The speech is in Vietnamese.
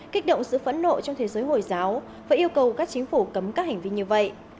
kích động sự phẫn nộ trong thế giới hồi giáo và yêu cầu các chính phủ cấm các hành vi như vậy